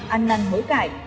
ăn năn hối cải